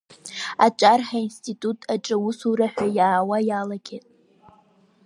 Аҿар ҳинститут аҿы аусура ҳәа иаауа иалагеит.